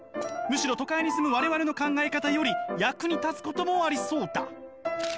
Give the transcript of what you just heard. むしろ都会に住む我々の考え方より役に立つこともありそうだ」。